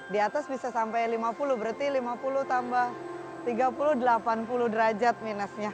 di atas bisa sampai lima puluh berarti lima puluh tambah tiga puluh delapan puluh derajat minusnya